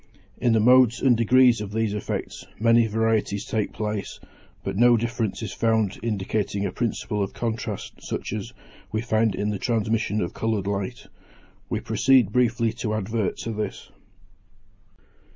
In the modes and degrees of these effects many varieties take place, but no difference is found indicating a principle of contrast such as we find in the transmission of coloured light. We proceed briefly to advert to this.